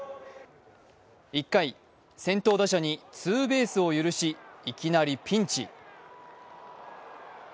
１回、先頭打者にツーベースを許しいきなりピンチ。